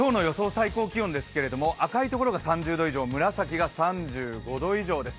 最高気温ですけど、赤いところが３０度以上、紫が３５度以上です。